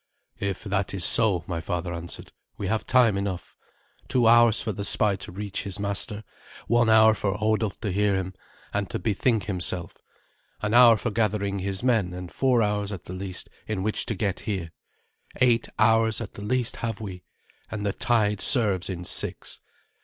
"If that is so," my father answered, "we have time enough. Two hours for the spy to reach his master; one hour for Hodulf to hear him, and to bethink himself; an hour for gathering his men; and four hours, at the least, in which to get here. Eight hours, at the least, have we, and the tide serves in six.